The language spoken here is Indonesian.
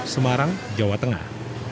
semarang jawa tengah